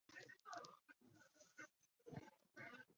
暗中观察围观